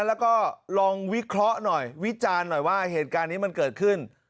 แล้วก็ลองวิเคราะห์หน่อยวิจารณ์หน่อยว่าเหตุการณ์นี้มันเกิดขึ้น